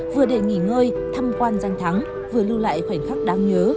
vừa để nghỉ ngơi tham quan giang thắng vừa lưu lại khoảnh khắc đáng nhớ